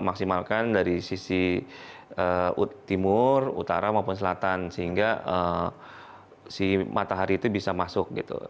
maksimalkan dari sisi timur utara maupun selatan sehingga si matahari itu bisa masuk gitu